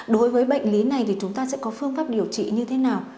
đối với bệnh lý này thì chúng ta sẽ có phương pháp điều trị như thế nào